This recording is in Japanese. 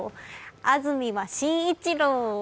安住は紳一郎。